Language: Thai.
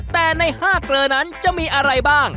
แต่ใน๕เกลอนั้นจะมีอะไรบ้าง